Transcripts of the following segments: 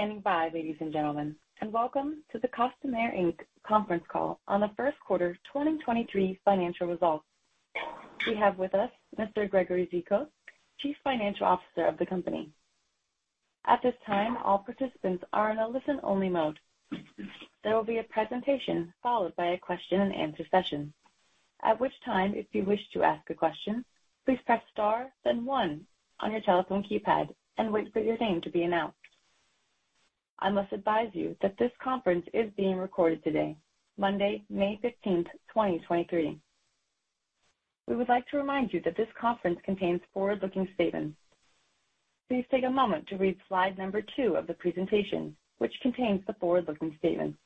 Thank you for standing by, ladies and gentlemen. Welcome to the Costamare Inc. Conference Call on the first quarter 2023 financial results. We have with us Mr. Gregory Zikos, Chief Financial Officer of the company. At this time, all participants are in a listen-only mode. There will be a presentation followed by a Q&A session. At which time, if you wish to ask a question, please press star then one on your telephone keypad. Wait for your name to be announced. I must advise you that this conference is being recorded today, Monday, May 15th, 2023. We would like to remind you that this conference contains forward-looking statements. Please take a moment to read slide number two of the presentation, which contains the forward-looking statement.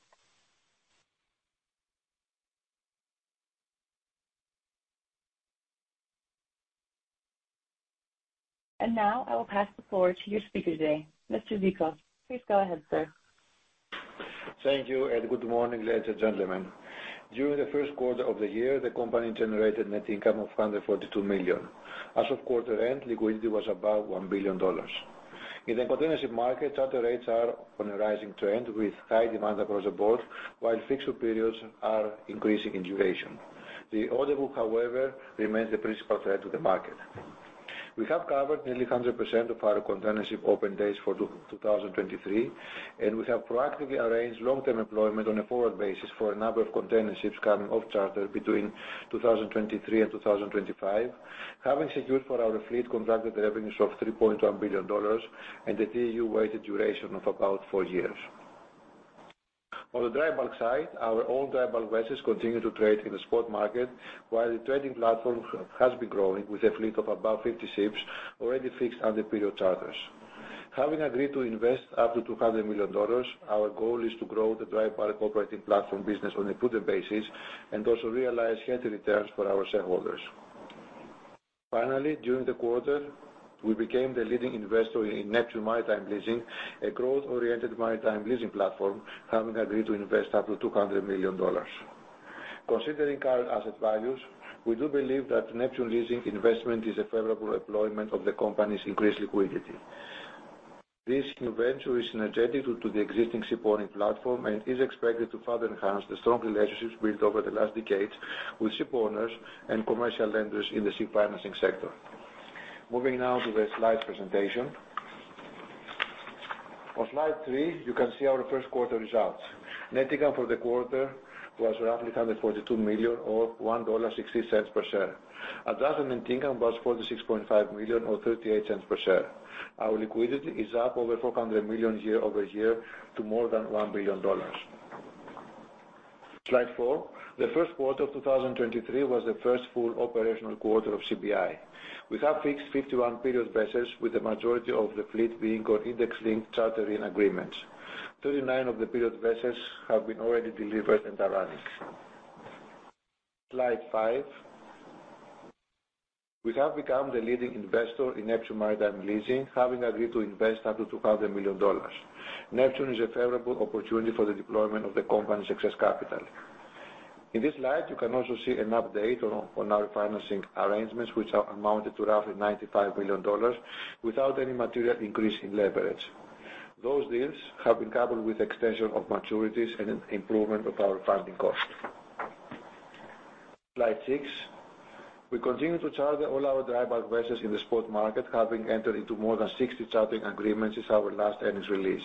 Now I will pass the floor to your speaker today, Mr. Zikos. Please go ahead, sir. Thank you. Good morning, ladies and gentlemen. During the first quarter of the year, the company generated net income of $142 million. As of quarter end, liquidity was about $1 billion. In the containership market, charter rates are on a rising trend with high demand across the board, while fixed periods are increasing in duration. The order book, however, remains the principal threat to the market. We have covered nearly 100% of our containership open days for 2023. We have proactively arranged long-term employment on a forward basis for a number of containerships coming off charter between 2023 and 2025, having secured for our fleet contracted revenues of $3.1 billion and a TEU-weighted duration of about four years. On the dry bulk side, our own dry bulk vessels continue to trade in the spot market, while the trading platform has been growing with a fleet of about 50 ships already fixed under period charters. Having agreed to invest up to $200 million, our goal is to grow the dry bulk operating platform business on a further basis and also realize healthy returns for our shareholders. Finally, during the quarter, we became the leading investor in Neptune Maritime Leasing, a growth-oriented maritime leasing platform, having agreed to invest up to $200 million. Considering current asset values, we do believe that Neptune Leasing investment is a favorable deployment of the company's increased liquidity. This new venture is synergetic to the existing supporting platform and is expected to further enhance the strong relationships built over the last decades with shipowners and commercial lenders in the ship financing sector. Moving now to the slide presentation. On Slide three, you can see our first quarter results. Net income for the quarter was roughly $142 million or $1.60 per share. Adjusted net income was $46.5 million or $0.38 per share. Our liquidity is up over $400 million YoY to more than $1 billion. Slide four. The first quarter of 2023 was the first full operational quarter of CBI. We have fixed 51 period vessels, with the majority of the fleet being on index-linked chartering agreements. 39 of the period vessels have been already delivered and are running. Slide five. We have become the leading investor in Neptune Maritime Leasing, having agreed to invest up to $200 million. Neptune is a favorable opportunity for the deployment of the company's excess capital. In this slide, you can also see an update on our financing arrangements, which are amounted to roughly $95 million without any material increase in leverage. Those deals have been coupled with extension of maturities and an improvement of our funding cost. Slide six. We continue to charter all our dry bulk vessels in the spot market, having entered into more than 60 chartering agreements since our last earnings release.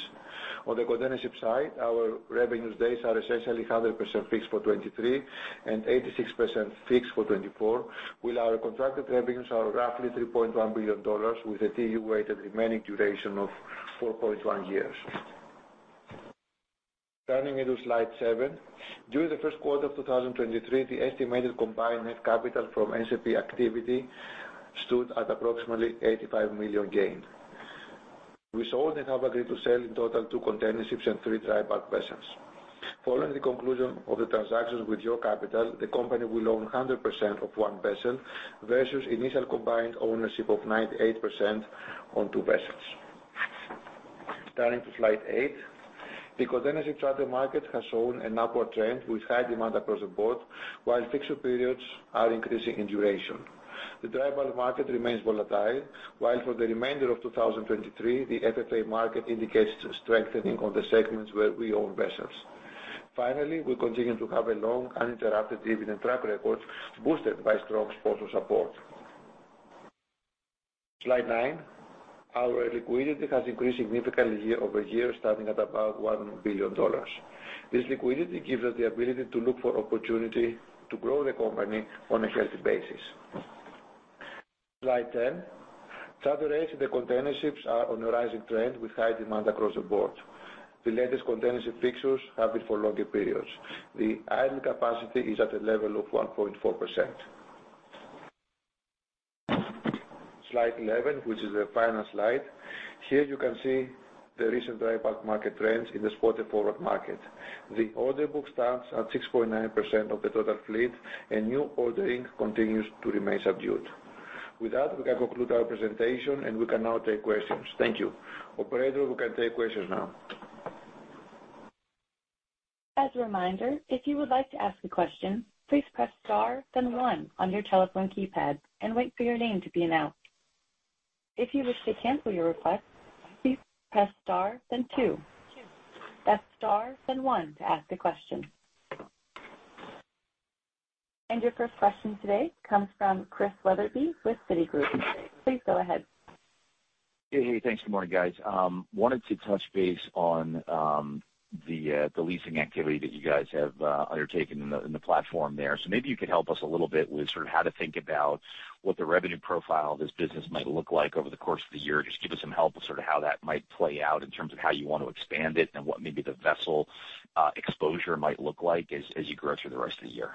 On the containership side, our revenues days are essentially 100% fixed for 2023 and 86% fixed for 2024, while our contracted revenues are roughly $3.1 billion with a TEU-weighted remaining duration of 4.1 years. Turning into slide seven. During the first quarter of 2023, the estimated combined net capital from NCP activity stood at approximately $85 million gain. We sold and have agreed to sell in total two containerships and three dry bulk vessels. Following the conclusion of the transactions with your capital, the company will own 100% of one vessel versus initial combined ownership of 98% on two vessels. Turning to slide eight. The containership charter market has shown an upward trend with high demand across the board while fixed periods are increasing in duration. The dry bulk market remains volatile, while for the remainder of 2023, the FFA market indicates strengthening on the segments where we own vessels. We continue to have a long, uninterrupted dividend track record boosted by strong sponsor support. Slide nine. Our liquidity has increased significantly YoY, starting at about $1 billion. This liquidity gives us the ability to look for opportunity to grow the company on a healthy basis. Slide 10. Charter rates in the containerships are on a rising trend with high demand across the board. The latest containership fixtures have been for longer periods. The idle capacity is at a level of 1.4%. Slide 11, which is the final slide. Here you can see the recent dry bulk market trends in the spot and forward market. The order book stands at 6.9% of the total fleet. New ordering continues to remain subdued. With that, we can conclude our presentation. We can now take questions. Thank you. Operator, we can take questions now. As a reminder, if you would like to ask a question, please press star then one on your telephone keypad and wait for your name to be announced. If you wish to cancel your request, please press star then two. That's star then one to ask a question. Your first question today comes from Chris Wetherbee with Citigroup. Please go ahead. Hey. Hey, thanks. Good morning, guys. Wanted to touch base on the leasing activity that you guys have undertaken in the platform there. Maybe you could help us a little bit with sort of how to think about what the revenue profile of this business might look like over the course of the year. Just give us some help with sort of how that might play out in terms of how you want to expand it and what maybe the vessel exposure might look like as you grow through the rest of the year.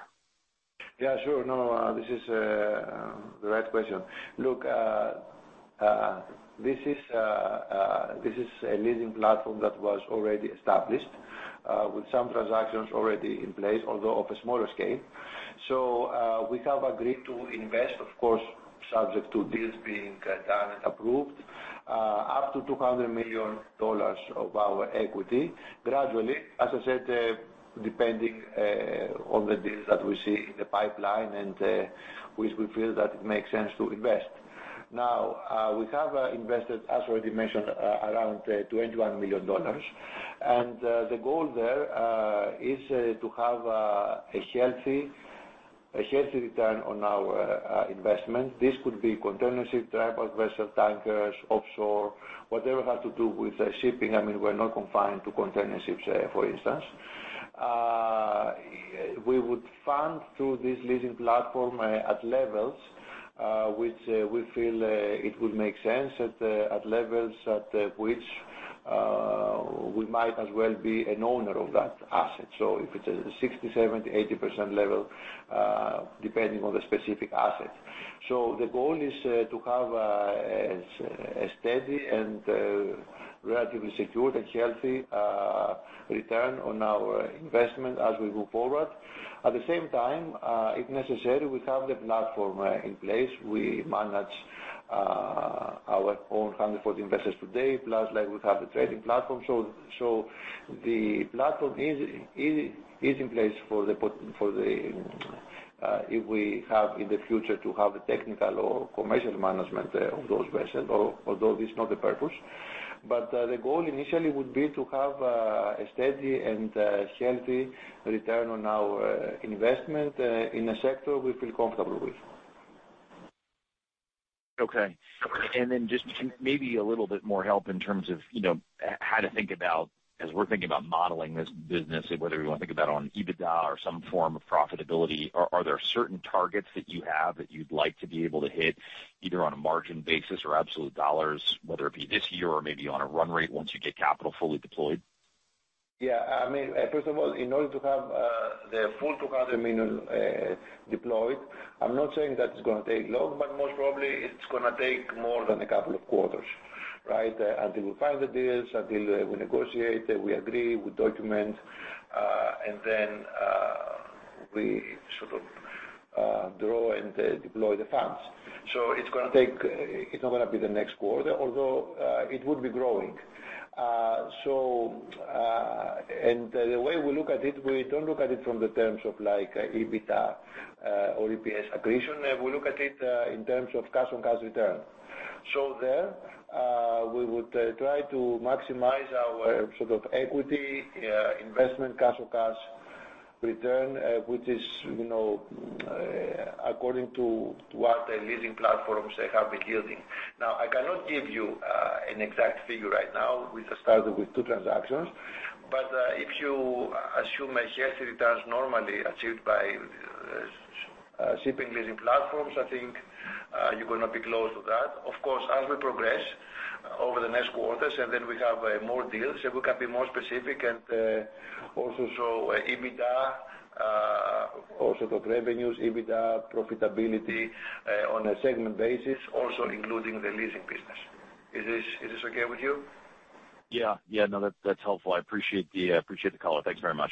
Yeah, sure. No, this is the right question. Look, this is a leasing platform that was already established with some transactions already in place, although of a smaller scale. We have agreed to invest, of course, subject to deals being done and approved, up to $200 million of our equity gradually, as I said, depending on the deals that we see in the pipeline and which we feel that it makes sense to invest. Now, we have invested, as already mentioned, around $21 million. The goal there is to have a healthy return on our investment. This could be containership, dry bulk vessel tankers, offshore, whatever has to do with shipping. I mean, we're not confined to container ships, for instance. We would fund through this leasing platform, at levels which we feel it would make sense at levels at which we might as well be an owner of that asset. If it's a 60%, 70%, 80% level, depending on the specific asset. The goal is to have a steady and relatively secure and healthy return on our investment as we move forward. At the same time, if necessary, we have the platform in place. We manage our own 140 investors today, plus, like, we have the trading platform. The platform is in place for the if we have in the future to have a technical or commercial management of those vessels, although this is not the purpose. The goal initially would be to have a steady and healthy return on our investment in a sector we feel comfortable with. Okay. Then just maybe a little bit more help in terms of, you know, how to think about as we're thinking about modeling this business and whether we want to think about on EBITDA or some form of profitability. Are there certain targets that you have that you'd like to be able to hit either on a margin basis or absolute dollars, whether it be this year or maybe on a run rate once you get capital fully deployed? Yeah. I mean, first of all, in order to have the full $200 million deployed, I'm not saying that it's gonna take long, but most probably it's gonna take more than a couple of quarters, right? Until we find the deals, until we negotiate, we agree, we document, and then we sort of draw and deploy the funds. It's not gonna be the next quarter, although it would be growing. The way we look at it, we don't look at it from the terms of like EBITDA or EPS accretion. We look at it in terms of cash-on-cash return. There, we would try to maximize our sort of equity investment cash-on-cash return, which is, you know, according to what the leasing platforms have been yielding. I cannot give you an exact figure right now. We just started with two transactions. If you assume a healthy returns normally achieved by shipping leasing platforms, I think, you're gonna be close to that. As we progress over the next quarters we have more deals, we can be more specific and also show EBITDA or sort of revenues, EBITDA profitability on a segment basis, also including the leasing business. Is this okay with you? Yeah, yeah. No, that's helpful. I appreciate the appreciate the color. Thanks very much.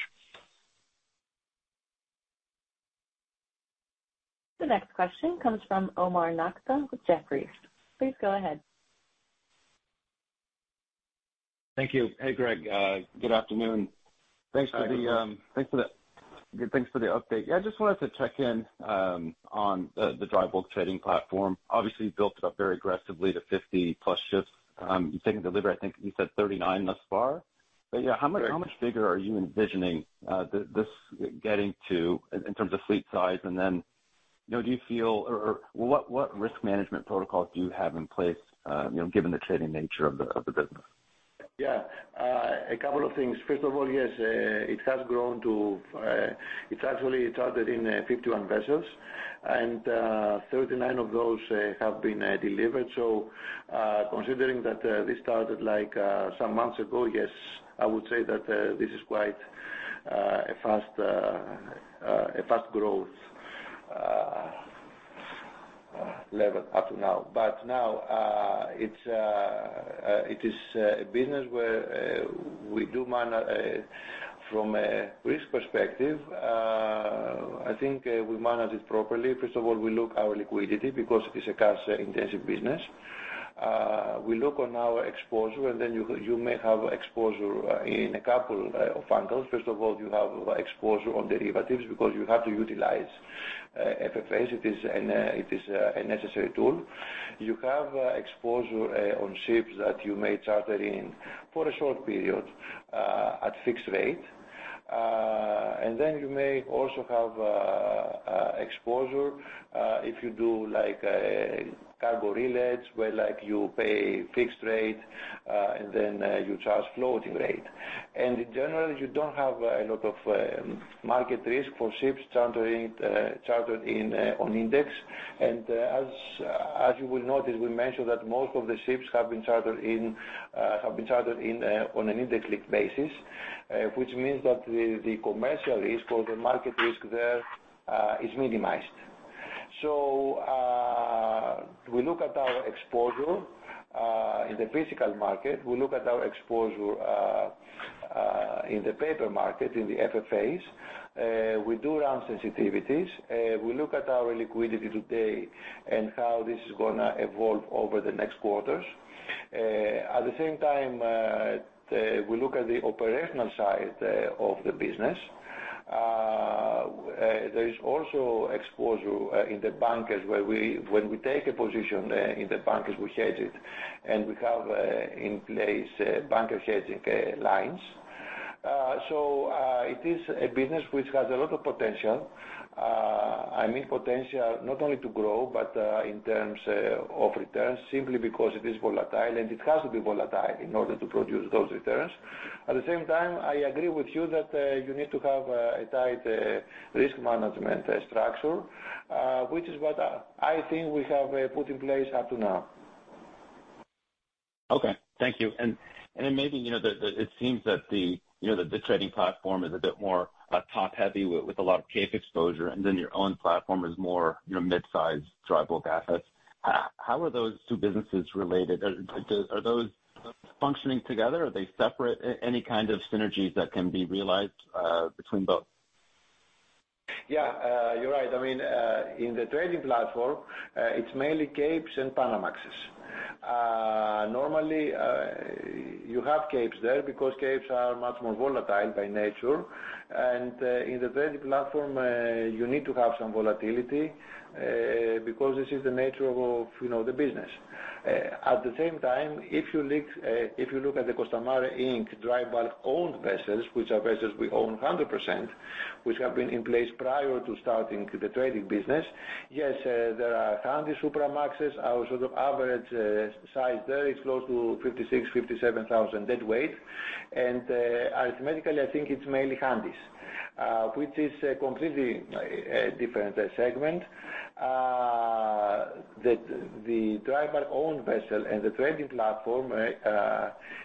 The next question comes from Omar Nokta with Jefferies. Please go ahead. Thank you. Hey, Greg, good afternoon. Hi, Omar. Thanks for the update. Yeah, I just wanted to check in on the dry bulk trading platform. Obviously, you built it up very aggressively to 50+ ships. You've taken delivery, I think you said 39 thus far. Right. How much bigger are you envisioning this getting to in terms of fleet size? You know, do you feel or what risk management protocols do you have in place, you know, given the trading nature of the business? Yeah. A couple of things. First of all, yes, it has grown to, it actually started in 51 vessels, and 39 of those have been delivered. So, considering that this started like some months ago, yes, I would say that this is quite a fast, a fast growth level up to now. But now, it is a business where we do manage from a risk perspective. I think we manage it properly. First of all, we look our liquidity because it is a cash-intensive business. We look on our exposure and then you may have exposure in a couple of angles. First of all, you have exposure on derivatives because you have to utilize FFAs. It is a necessary tool. You have exposure on ships that you may charter in for a short period at fixed rate. And then you may also have exposure if you do like cargo relays, where like you pay fixed rate and then you charge floating rate. And in general, you don't have a lot of market risk for ships chartered in on index. As you will notice, we mentioned that most of the ships have been chartered in on an index-linked basis, which means that the commercial risk or the market risk there is minimized. We look at our exposure in the physical market. We look at our exposure in the paper market, in the FFAs. We do run sensitivities. We look at our liquidity today and how this is gonna evolve over the next quarters. At the same time, we look at the operational side of the business. There is also exposure in the bunkers where we, when we take a position in the bunkers, we hedge it, and we have in place bunker hedging lines. It is a business which has a lot of potential. I mean potential not only to grow, but in terms of returns, simply because it is volatile, and it has to be volatile in order to produce those returns. At the same time, I agree with you that you need to have a tight risk management structure, which is what I think we have put in place up to now. Okay. Thank you. Maybe, you know, it seems that the trading platform is a bit more top-heavy with a lot of Cape exposure, and then your own platform is more, you know, mid-sized dry bulk assets. How are those two businesses related? Are those functioning together? Are they separate? Any kind of synergies that can be realized between both? You're right. I mean, in the trading platform, it's mainly Capesize and Panamax. Normally, you have Capesize there because Capesize are much more volatile by nature. In the trading platform, you need to have some volatility, because this is the nature of, you know, the business. At the same time, if you leak, if you look at the Costamare Inc. dry bulk owned vessels, which are vessels we own 100%, which have been in place prior to starting the trading business, yes, there are Handy Supramax. Our sort of average size there is close to 56,000-57,000 deadweight. Arithmetically, I think it's mainly Handysize, which is a completely different segment. The dry bulk owned vessel and the trading platform,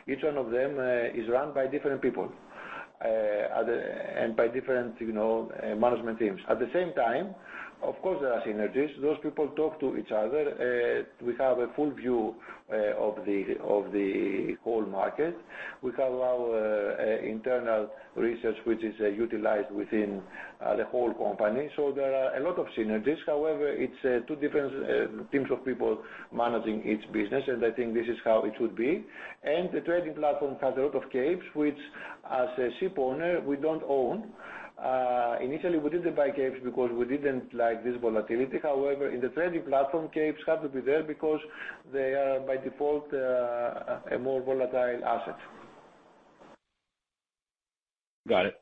each one of them is run by different people and by different, you know, management teams. At the same time, of course, there are synergies. Those people talk to each other. We have a full view of the whole market. We have our internal research, which is utilized within the whole company. There are a lot of synergies. However, it's two different teams of people managing each business, and I think this is how it should be. The trading platform has a lot of Capesize, which as a ship owner, we don't own. Initially, we didn't buy Capesize because we didn't like this volatility. In the trading platform, Capesize have to be there because they are by default, a more volatile asset. Got it.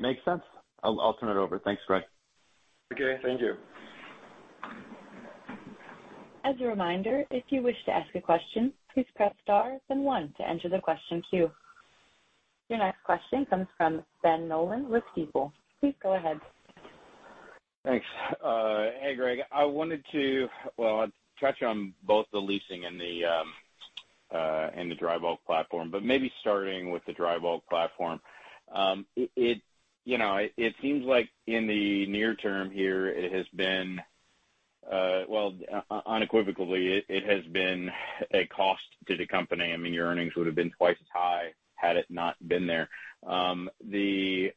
makes sense. I'll turn it over. Thanks, Greg. Okay. Thank you. As a reminder, if you wish to ask a question, please press star then one to enter the question queue. Your next question comes from Ben Nolan with Stifel. Please go ahead. Thanks. Hey, Greg. I wanted to, well, touch on both the leasing and the dry bulk platform, but maybe starting with the dry bulk platform. It, you know, it seems like in the near term here, it has been, well, unequivocally, it has been a cost to the company. I mean, your earnings would have been 2x as high had it not been there. The,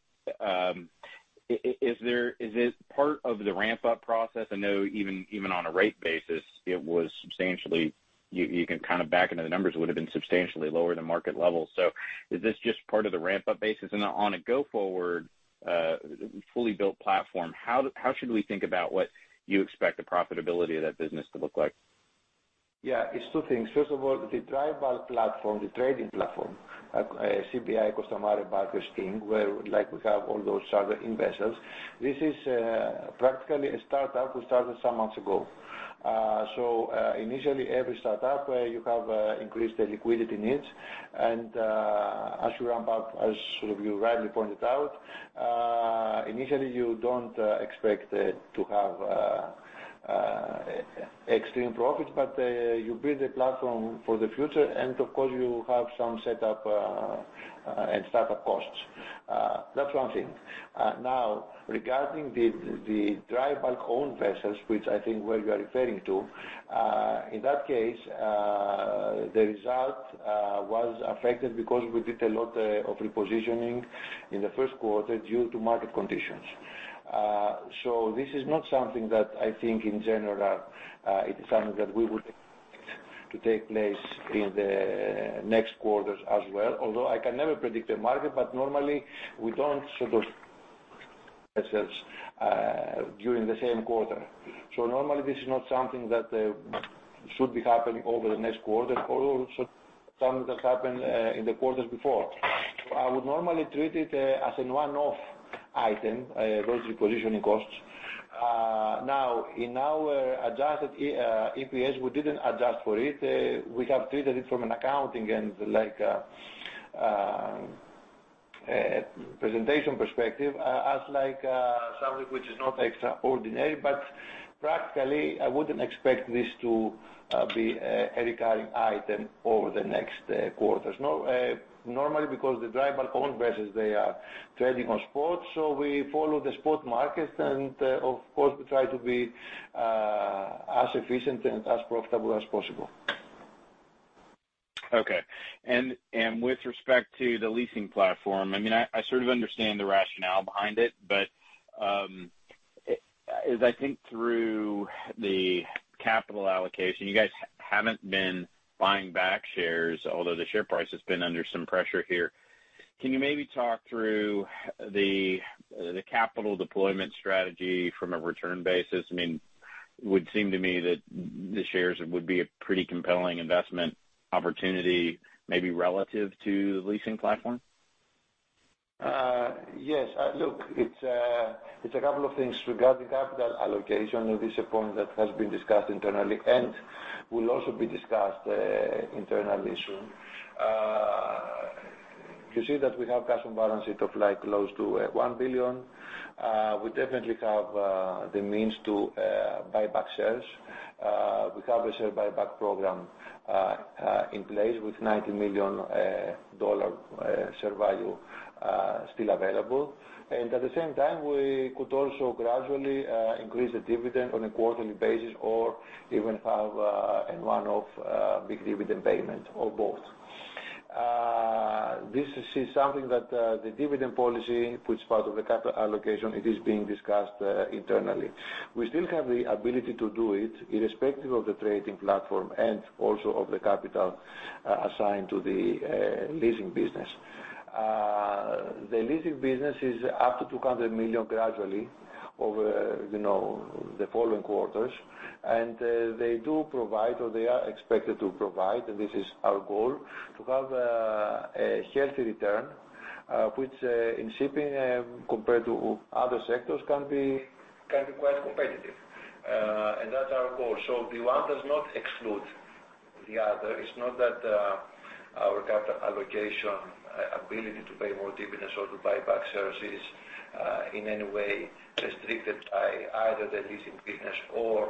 is it part of the ramp-up process? I know even on a rate basis, it was substantially, you can kind of back into the numbers, would have been substantially lower than market levels. Is this just part of the ramp-up basis? On a go-forward, fully built platform, how should we think about what you expect the profitability of that business to look like? Yeah. It's two things. First of all, the dry bulk platform, the trading platform, CBI, Costamare Bulkers team, where like we have all those charter in vessels, this is practically a startup. We started some months ago. Initially every startup where you have increased liquidity needs, and as you ramp up, as sort of you rightly pointed out, initially you don't expect to have extreme profits, but you build a platform for the future, and of course, you have some set up and startup costs. That's one thing. Now regarding the dry bulk owned vessels, which I think where you're referring to, in that case, the result was affected because we did a lot of repositioning in the first quarter due to market conditions. This is not something that I think in general, it's something that we would expect to take place in the next quarters as well. Although I can never predict a market, but normally we don't sort of ourselves during the same quarter. Normally this is not something that should be happening over the next quarter, or also something that happened in the quarters before. I would normally treat it as an one-off item, those repositioning costs. Now, in our Adjusted EPS, we didn't adjust for it. We have treated it from an accounting and like presentation perspective as like something which is not extraordinary. Practically, I wouldn't expect this to be a recurring item over the next quarters. No. Normally because the dry bulk own vessels, they are trading on spot, we follow the spot markets, of course, we try to be as efficient and as profitable as possible. Okay. With respect to the leasing platform, I mean, I sort of understand the rationale behind it, but as I think through the capital allocation, you guys haven't been buying back shares, although the share price has been under some pressure here. Can you maybe talk through the capital deployment strategy from a return basis? I mean, would seem to me that the shares would be a pretty compelling investment opportunity, maybe relative to the leasing platform. Yes. Look, it's a couple of things. Regarding capital allocation, this a point that has been discussed internally and will also be discussed internally soon. You see that we have customer balance sheet of, like, close to $1 billion. We definitely have the means to buy back shares. We have a share buyback program in place with $90 million share value still available. At the same time, we could also gradually increase the dividend on a quarterly basis or even have an one-off big dividend payment or both. This is something that the dividend policy, which is part of the capital allocation, it is being discussed internally. We still have the ability to do it irrespective of the trading platform and also of the capital assigned to the leasing business. The leasing business is up to $200 million gradually over, you know, the following quarters. They do provide, or they are expected to provide, and this is our goal, to have a healthy return, which in shipping, compared to other sectors can be quite competitive. That's our goal. The one does not exclude the other. It's not that our capital allocation ability to pay more dividends or to buy back shares is in any way restricted by either the leasing business or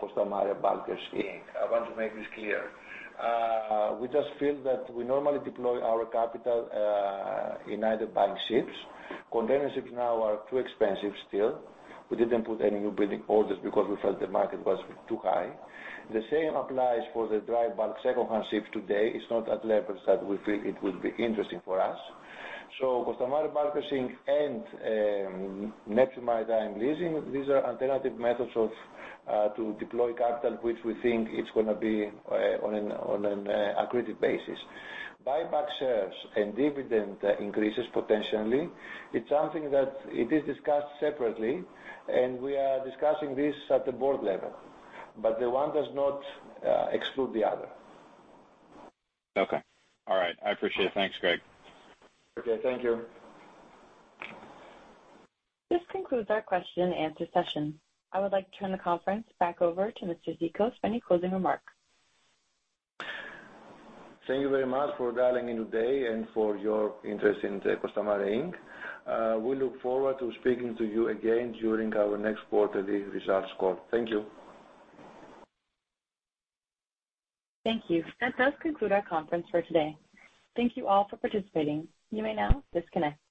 Costamare Bulk Shipping. I want to make this clear. We just feel that we normally deploy our capital in either buying ships. Container ships now are too expensive still. We didn't put any new building orders because we felt the market was too high. The same applies for the dry bulk second-hand ships today. It's not at levels that we feel it would be interesting for us. Costamare Bulk Shipping and Neptune Maritime Leasing, these are alternative methods of to deploy capital, which we think it's gonna be on an accretive basis. Buyback shares and dividend increases potentially, it's something that it is discussed separately, and we are discussing this at the board level. The one does not exclude the other. Okay. All right. I appreciate it. Thanks, Greg. Okay, thank you. This concludes our Q&A session. I would like to turn the conference back over to Mr. Zikos for any closing remarks. Thank you very much for dialing in today and for your interest in Costamare Inc. We look forward to speaking to you again during our next quarterly results call. Thank you. Thank you. That does conclude our conference for today. Thank you all for participating. You may now disconnect.